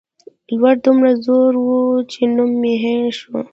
لوږه دومره زور وه چې نوم مې هېر شو.